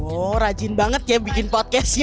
oh rajin banget ya bikin podcastnya ya